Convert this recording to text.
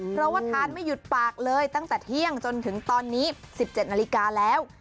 เพราะว่าทานไม่หยุดปากเลยตั้งแต่เที่ยงจนถึงตอนนี้๑๗นาฬิกาแล้ว